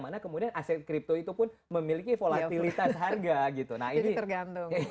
mana kemudian aset kripto itu pun memiliki volatilitas harga gitu nah ini tergantung